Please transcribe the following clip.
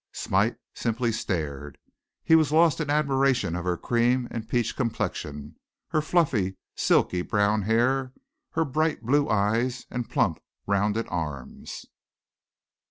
Smite simply stared. He was lost in admiration of her cream and peach complexion, her fluffy, silky brown hair, her bright blue eyes and plump rounded arms.